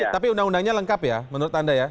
tapi undang undangnya lengkap ya menurut anda ya